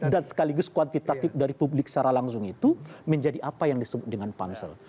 dan sekaligus kuantitatif dari publik secara langsung itu menjadi apa yang disebut dengan pansel